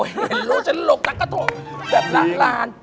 เห็นรู้ฉันหลงนางก็โทรแบบหละลาน